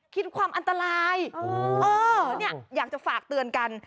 คิดความอันตรายเออเนี่ยอยากจะฝากเตือนกัน